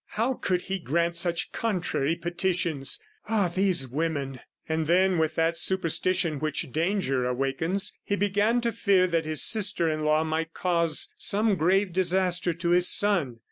How could He grant such contrary petitions? ... Ah, these women!" And then, with that superstition which danger awakens, he began to fear that his sister in law might cause some grave disaster to his son.